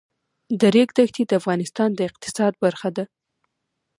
د ریګ دښتې د افغانستان د اقتصاد برخه ده.